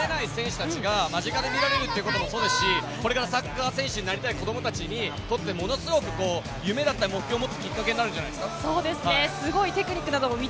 普段見られない選手たちが間近で見られるってこともすごいと思うし、これがサッカー選手になりたい子どもたちにとって、ものすごい夢だったり、目標を持つきっかけになるんじゃないですか？